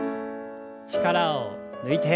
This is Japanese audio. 力を抜いて。